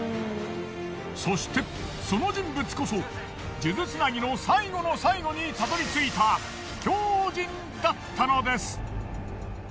そしてその人物こそ数珠繋ぎの最後の最後にたどり着いた秘境人だったのです。